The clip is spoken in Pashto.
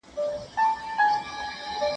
مالک خپلې کارکوونکې ته مهربانه و.